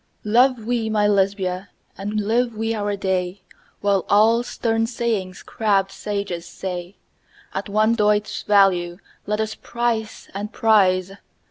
Love we (my Lesbia!) and live we our day, While all stern sayings crabbed sages say, At one doit's value let us price and prize!